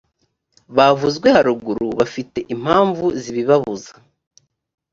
bavuzwe haruguru bafite impamvu zibibabuza